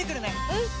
うん！